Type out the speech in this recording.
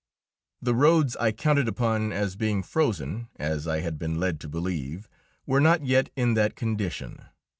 The roads I counted upon as being frozen as I had been led to believe were not yet in that condition.